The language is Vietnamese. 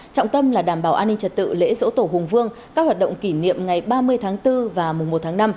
trọng tâm là đảm bảo an ninh trật tự lễ dỗ tổ hùng vương các hoạt động kỷ niệm ngày ba mươi tháng bốn và mùa một tháng năm